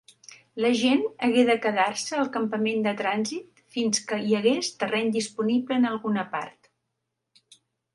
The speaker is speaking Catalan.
La gent hagué de quedar-se al campament de trànsit fins que hi hagués terreny disponible en alguna part.